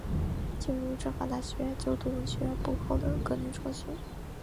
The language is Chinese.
在进入法政大学就读文学部后的隔年辍学。